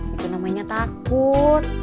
itu namanya takut